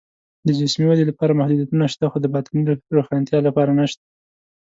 د جسمي ودې لپاره محدودیتونه شته، خو د باطني روښنتیا لپاره نشته